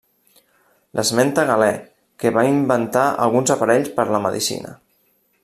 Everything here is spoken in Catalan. L'esmenta Galè que va inventar alguns aparells per la medicina.